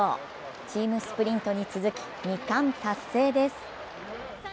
チームスプリントに続き２冠達成です。